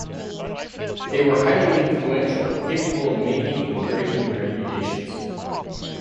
They were highly influential, capable of making and breaking reputations.